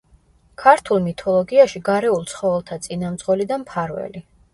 ქართულ მითოლოგიაში გარეულ ცხოველთა წინამძღოლი და მფარველი.